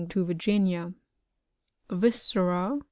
^ to Virginia. Vi8CKRA.